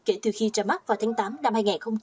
kể từ khi ra mắt vào tháng tám năm hai nghìn hai mươi